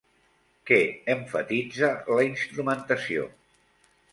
Què emfatitza la instrumentació?